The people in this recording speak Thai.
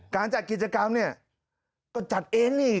การจัดกิจกรรมเนี่ยก็จัดเองนี่